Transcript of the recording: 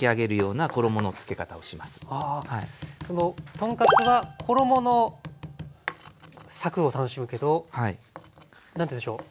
豚カツは衣のサクッを楽しむけど何ていうんでしょう。